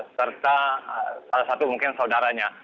serta salah satu mungkin saudaranya